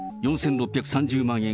４６３０万円